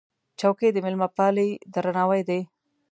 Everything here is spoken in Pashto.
چوکۍ د مېلمهپالۍ درناوی دی.